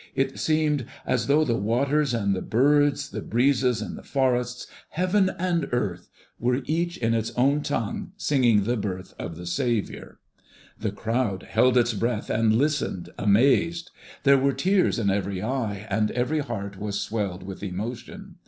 It seemed as though the waters and the birds, the breezes and the forests, heaven and earth, were each in its own tongue singing the birth of the Saviour. The crowd held its breath and listened, amazed. There were tears in every eye, and every heart was swelled with emotion.